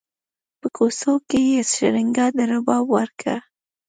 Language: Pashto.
په کوڅو کې یې شرنګا د رباب ورکه